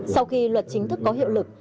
sau khi luật chính thức có hiệu lực